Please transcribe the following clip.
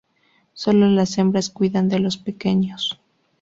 Solo las hembras cuidan de los pequeños.